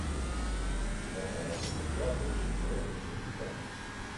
Wat er met de verkrachter is gebeurd, is niet bekend.